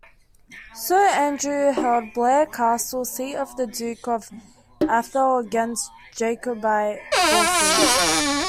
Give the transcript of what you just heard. Sir Andrew held Blair Castle, seat of the Duke of Atholl, against Jacobite forces.